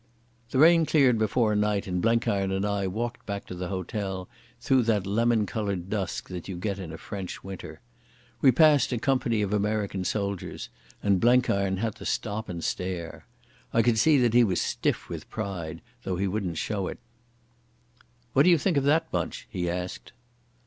The rain cleared before night, and Blenkiron and I walked back to the hotel through that lemon coloured dusk that you get in a French winter. We passed a company of American soldiers, and Blenkiron had to stop and stare. I could see that he was stiff with pride, though he wouldn't show it. "What d'you think of that bunch?" he asked.